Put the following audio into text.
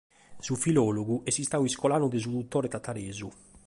Su filòlogu est istadu iscolanu de su dutore tataresu.